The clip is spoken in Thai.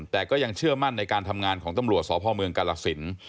แต่ก็ยังเชื่อมั่นในการทำงานของตำรวจสพเมืองกาลสิน